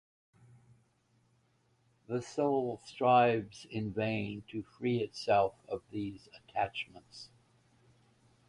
The soul strives in vain to free itself of these attachments.